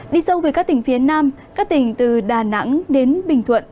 đi sâu với các tỉnh phía nam các tỉnh từ đà nẵng đến bình thuận